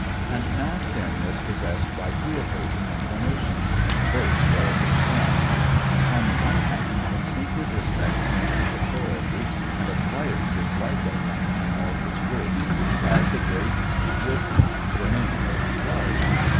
And now Finn was possessed by two opposing inclinations, both terribly strong. Upon the one hand, instinctive respect for man's authority and acquired dislike of man and all his works bade the great Wolfhound remain where he was.